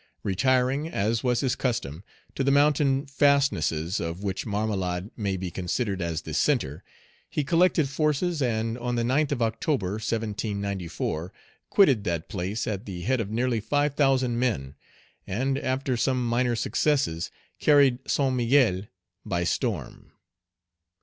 Page 80 Retiring, as was his custom, to the mountain fastnesses, of which Marmelade may be considered as the centre, he collected forces, and, on the 9th of Oct. 1794, quitted that place at the head of nearly five thousand men, and, after some minor successes, carried San Miguel by storm.